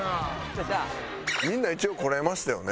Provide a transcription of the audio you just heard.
みんな一応こらえましたよね。